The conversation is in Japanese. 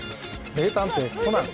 『名探偵コナン』。